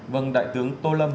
vâng đại tướng tô lâm